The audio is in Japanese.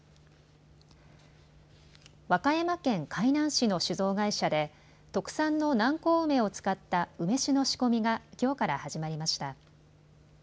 和歌山県海南市の酒造会社で特産の南高梅を使った梅酒の仕込みがきょうから始まりました。